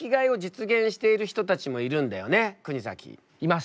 います。